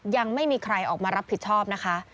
ยังไม่มีใครออกมารับผิดชอบนะคะ